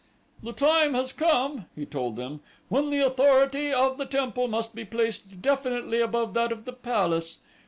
"The time has come," he told them, "when the authority of the temple must be placed definitely above that of the palace.